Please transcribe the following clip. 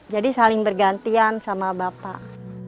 jadi saling bergantian sama bapak